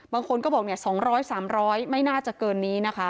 บางคนก็บอก๒๐๐๓๐๐ไม่น่าจะเกินนี้นะคะ